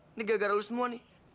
ini gara gara lu semua nih